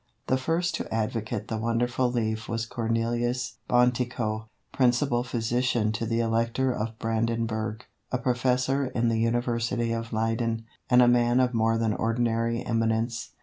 The first to advocate the wonderful leaf was Cornelius Bontekoe, principal physician to the Elector of Brandenburgh, a Professor in the University of Leyden, and a man of more than ordinary eminence.